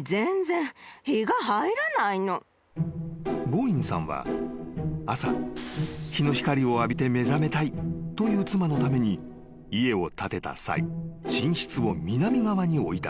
［ボーインさんは朝日の光を浴びて目覚めたいという妻のために家を建てた際寝室を南側に置いた］